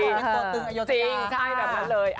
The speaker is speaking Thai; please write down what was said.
เขาบอกว่าเล่นตัวตึกอยู่ตรงนั้นค่ะจริงใช่แบบนั้นเลย